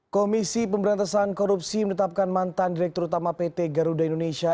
komisi pemberantasan korupsi menetapkan mantan direktur utama pt garuda indonesia